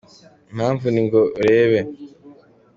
Impamvu ni ngo urebe!